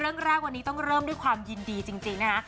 เรื่องแรกวันนี้ต้องเริ่มด้วยความยินดีจริงนะคะ